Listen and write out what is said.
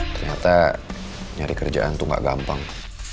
ternyata nyari kerjaan tuh gak gampang